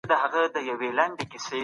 شیراز د افغانانو لخوا نیول شو.